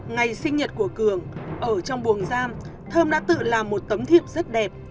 ngày sinh nhật của cường ở trong buồng giam thơm đã tự làm một tấm thiệp rất đẹp